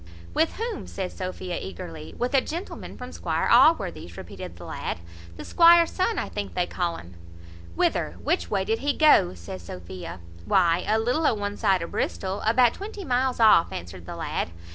"With whom?" says Sophia eagerly. "With a gentleman from Squire Allworthy's," repeated the lad; "the squire's son, I think they call 'un." "Whither? which way did he go?" says Sophia. "Why, a little o' one side o' Bristol, about twenty miles off," answered the lad.